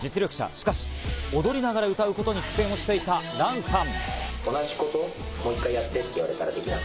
しかし、踊りながら歌うことに苦戦をしていた、ランさん。